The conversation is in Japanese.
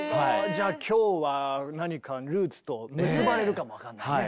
じゃあ今日は何かルーツと結ばれるかも分かんないね